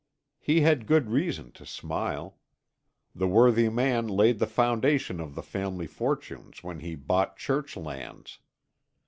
He had good reason to smile: the worthy man laid the foundation of the family fortunes when he bought Church lands.